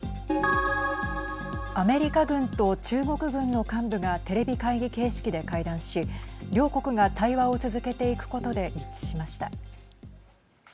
アメリカ軍と中国軍の幹部がテレビ会議形式で会談し両国が対話を続けていくことで一致しました。